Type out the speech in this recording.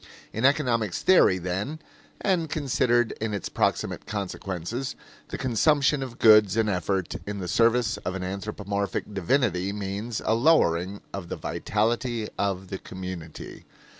In economic theory, then, and considered in its proximate consequences, the consumption of goods and effort in the service of an anthropomorphic divinity means a lowering of the vitality of the community.